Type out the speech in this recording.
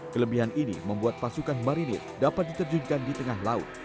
kelebihan ini membuat pasukan marinir dapat diterjunkan di tengah laut